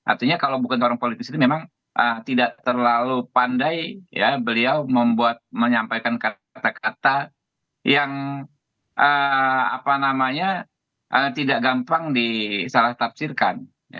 artinya kalau bukan seorang politis ini memang tidak terlalu pandai beliau membuat menyampaikan kata kata yang tidak gampang disalah tafsirkan